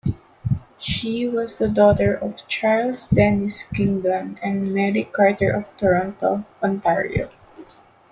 She was the daughter of Charles Dennis Kingdon and Mary Carter of Toronto, Ontario.